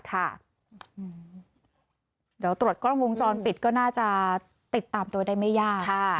เดี๋ยวตรวจกล้องวงจรปิดก็น่าจะติดตามตัวได้ไม่ยาก